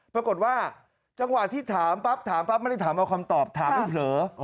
ปรากฏว่าจังหวะที่ถามปั๊บไม่ได้ถามเอาความตอบถามไม่เผลอ